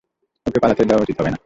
ওকে পালাতে দেওয়া উচিত হবে না।